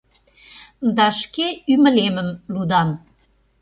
Да шке ӱмылемым лудам